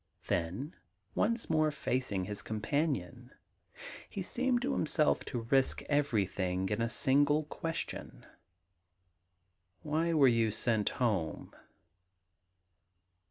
Then once more facing his companion, he seemed to himself to risk everjrthing in a single question :* Why were you sent home